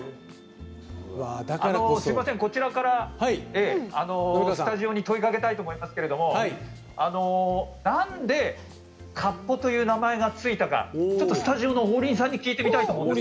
すいません、こちらからスタジオに問いかけたいと思いますけれどもなんで「かっぽ」という名前が付いたかちょっとスタジオの王林さんに聞いてみたいと。